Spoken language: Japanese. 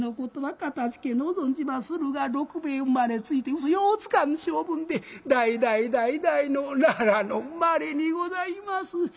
かたじけのう存じまするが六兵衛生まれついてうそようつかん性分で代々代々の奈良の生まれにございます」。